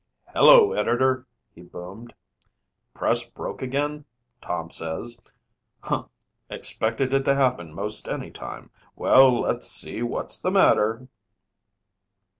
"Hello, Editor," he boomed. "Press broke again, Tom says. Huh, expected it to happen most anytime. Well, let's see what's the matter."